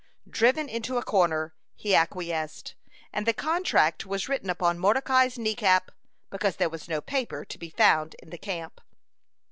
Driven into a corner, he acquiesced, and the contract was written upon Mordecai's knee cap, because there was no paper to be found in the camp.